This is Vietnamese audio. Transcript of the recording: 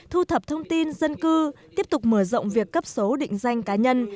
thu thập thông tin dân cư tiếp tục mở rộng việc cấp số định danh cá nhân